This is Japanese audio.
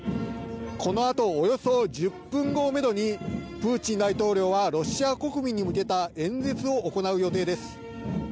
このあとおよそ１０分後をめどにプーチン大統領はロシア国民に向けた演説を行う予定です。